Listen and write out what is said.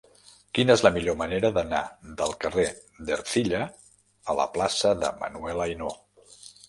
Quina és la millor manera d'anar del carrer d'Ercilla a la plaça de Manuel Ainaud?